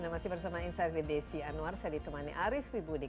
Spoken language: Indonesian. masih bersama insight with desi anwar saya ditemani aris wibudi